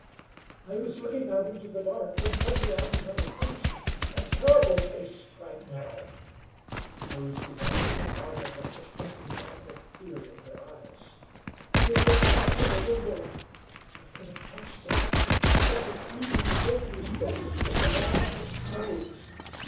"I was looking out into the dark, when suddenly I beheld a face, a terrible face!" cried Nell. Those who watched her marveled at the shrinking, awful fear in her eyes. "It was right by the window. I could have touched it. Such a greedy, wolfish face, with a long, hooked nose!